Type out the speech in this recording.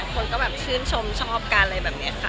คนก็แบบชื่นชมชอบกันอะไรแบบนี้ค่ะ